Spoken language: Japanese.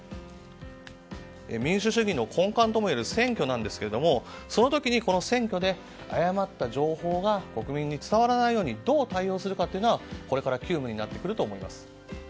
民主主義の根幹ともいえる選挙なんですがその時にこの選挙で誤った情報が国民に伝わらないようにどう対応するか、これから急務になってくると思います。